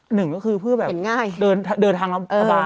หนึ่งก็คือเพื่อแบบเดินทางแล้วเผาป่า